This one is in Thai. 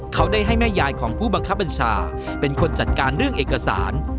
เขาได้ให้แม่ยายของผู้บังคับบัญชาเป็นคนจัดการเรื่องเอกสาร